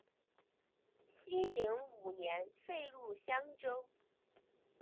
熙宁五年废入襄州。